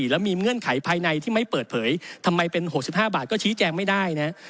แล้วมีเงื่อนไขภายในที่ไม่เปิดเผยทำไมเป็น๖๕บาทก็ชี้แจงไม่ได้นะ